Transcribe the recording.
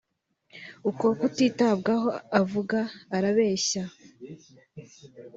Kuko kutitabwaho avuga arabeshya